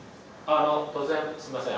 突然すみません。